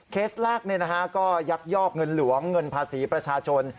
เคสแรกก็ยักยอกเงินหลวงเงินภาษีประชาชน